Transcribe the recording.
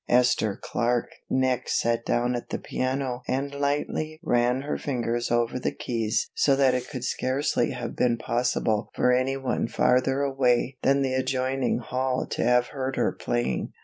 Esther Clark next sat down at the piano and lightly ran her fingers over the keys so that it could scarcely have been possible for any one farther away than the adjoining hall to have heard her playing.